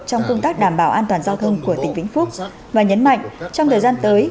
trong công tác đảm bảo an toàn giao thông của tỉnh vĩnh phúc và nhấn mạnh trong thời gian tới